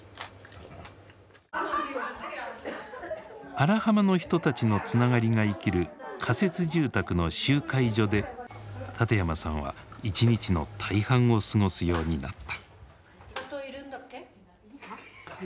荒浜の人たちのつながりが生きる仮設住宅の集会所で館山さんは一日の大半を過ごすようになった。